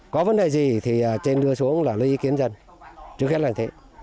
có vấn đề gì thì trên đưa xuống là lưu ý kiến dân trước hết là như thế